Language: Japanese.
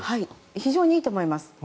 非常にいいと思います。